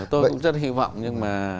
tôi cũng rất hy vọng nhưng mà